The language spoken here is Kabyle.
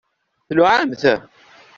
Tluɛamt?